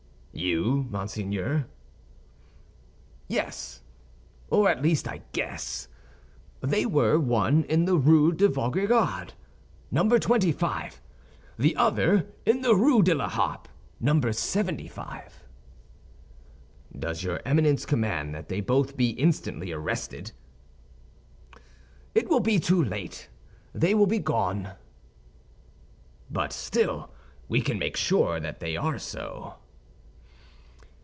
"You, monseigneur?" "Yes; or at least I guess. They were, one in the Rue de Vaugirard, No. 25; the other in the Rue de la Harpe, No. 75." "Does your Eminence command that they both be instantly arrested?" "It will be too late; they will be gone." "But still, we can make sure that they are so."